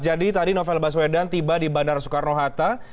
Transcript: jadi tadi novel baswedan tiba di bandara soekarno hatta